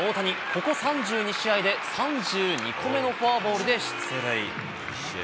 ここ３２試合で３２個目のフォアボールで出塁。